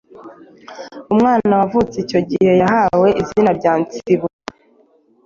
Umwana wavutse icyo gihe yahawe izina rya Nsibura,